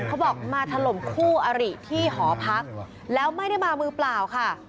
เขาบอกมาถล่มคู่อริที่หอพักแล้วไม่ได้มามือเปล่าค่ะ